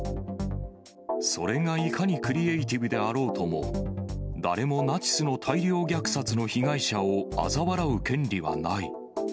それがいかにクリエーティブであろうとも、誰もナチスの大量虐殺の被害者をあざ笑う権利はない。